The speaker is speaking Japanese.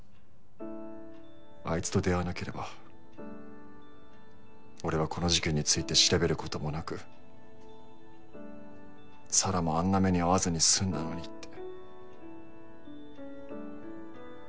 あいつと出会わなければ俺はこの事件について調べることもなく沙良もあんな目に遭わずに済んだのにって。